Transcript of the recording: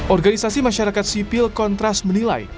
organisasi masyarakat sipil kontras menilai